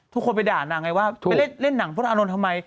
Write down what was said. ทุกคนไปด่าหนังไงว่าไปเล่นหนังพุทธอนุนย์ทำไม